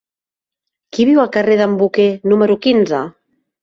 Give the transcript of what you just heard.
Qui viu al carrer d'en Boquer número quinze?